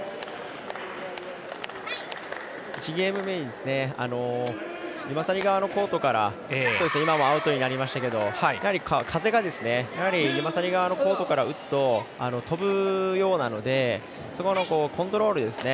１ゲーム目にユマサリ側のコートから今もアウトになりましたが風がユマサリ側のコートから打つと飛ぶようなのでそこのコントロールですね。